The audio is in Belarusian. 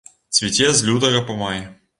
Цвіце з лютага па май.